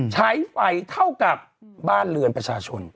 ใช้ไฟเท่ากับบ้านเรือนประชาชน